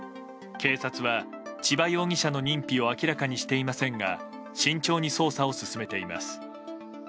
警察は千葉容疑者の認否を明らかにしていませんが慎重に捜査を進めています。